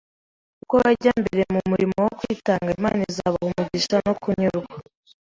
Uko bajya mbere mu murimo wo kwitanga, Imana izabaha umugisha no kunyurwa.